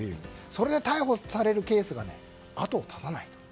それで逮捕されるケースが後を絶たない。